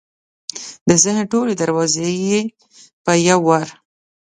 د ذهن ټولې دروازې یې په یو وار